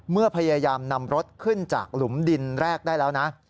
พยายามนำรถขึ้นจากหลุมดินแรกได้แล้วนะ